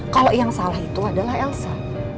kalau yang salah itu adalah elsa